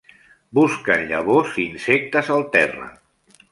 Busquen llavors i insectes al terra.